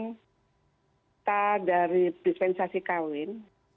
kita dari dispensasi kawin